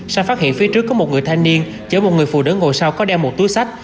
xanh phát hiện phía trước có một người thanh niên chở một người phụ nữ ngồi sau có đeo một túi sách